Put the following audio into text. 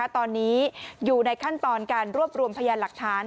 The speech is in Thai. ตอนนี้อยู่ในขั้นตอนการรวบรวมพยานหลักฐาน